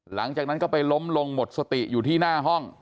หลังจากนั้นก็ไปล้มลงหมดสติอยู่ที่หน้าห้อง